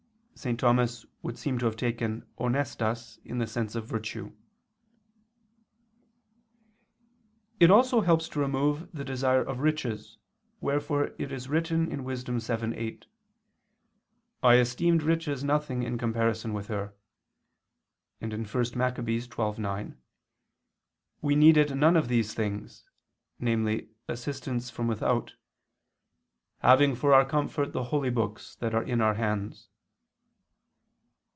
_ St. Thomas would seem to have taken honestas in the sense of virtue]. It also helps to remove the desire of riches, wherefore it is written (Wis. 7:8): "I ... esteemed riches nothing in comparison with her," and (1 Macc. 12:9): "We needed none of these things," namely assistance from without, "having for our comfort the holy books that are in our hands."